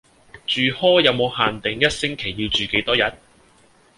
住 hall 有無限定一星期要住幾多日?